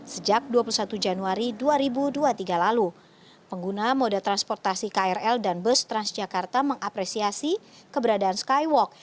sejak dua puluh satu januari dua ribu dua puluh tiga lalu pengguna moda transportasi krl dan bus transjakarta mengapresiasi keberadaan skywalk